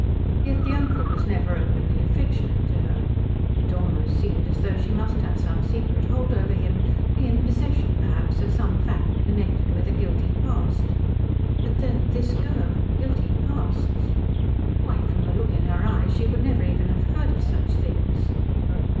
Yet the uncle was never openly affectionate to her. It almost seemed as though she must have some secret hold over him, be in possession, perhaps, of some fact connected with a guilty past. But then this girl and guilty pasts! Why, from the look in her eyes she could never even have heard of such things.